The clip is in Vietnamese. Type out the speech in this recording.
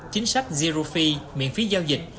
chính sách zero fee miễn phí giao dịch